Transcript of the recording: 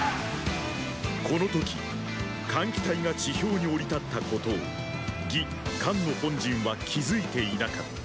この時桓騎隊が地表に降り立ったことを魏・韓の本陣は気付いていなかった。